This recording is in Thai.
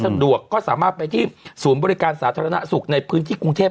สะดวกก็สามารถไปที่ศูนย์บริการสาธารณสุขในพื้นที่กรุงเทพ